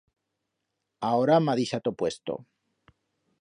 Aora m'ha dixato puesto.